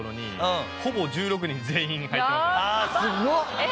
えっ？